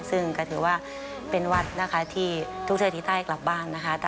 ซึ่งก็ถือว่าเป็นวัดนะคะที่ทุกเศรษฐีใต้กลับบ้านนะคะ